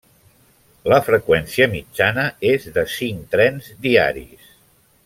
La freqüència mitjana és de cinc trens diaris.